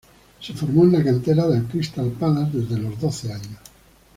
Se formó en la cantera del Crystal Palace desde los doce años.